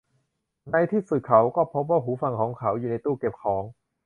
ในที่สุดเขาก็พบว่าหูฟังของเขาอยู่ในตู้เก็บของ